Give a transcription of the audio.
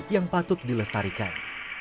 yang patut dilestarikan